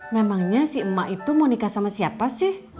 memangnya si emak itu mau nikah sama siapa sih